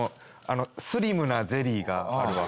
スリムなゼリーがあるわ。